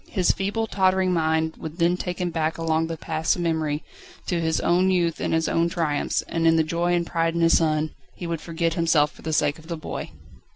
His feeble, tottering mind would then take him back, along the paths of memory, to his own youth and his own triumphs, and in the joy and pride in his son, he would forget himself for the sake of the boy.